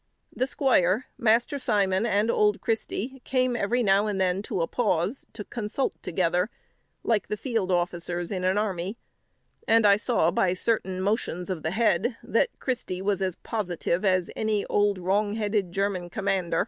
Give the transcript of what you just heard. The squire, Master Simon, and old Christy, came every now and then to a pause, to consult together, like the field officers in an army; and I saw, by certain motions of the head, that Christy was as positive as any old, wrong headed German commander.